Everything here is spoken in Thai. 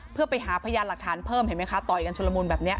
เพื่อไปหาพยานหลักฐานเพิ่มเห็นไหมคะต่อยกันชุลมุนแบบนี้